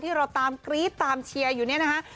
เราตามกรี๊ดตามเชียร์อยู่เนี่ยนะคะ